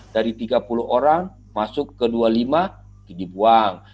dari tiga puluh orang masuk ke dua puluh lima dibuang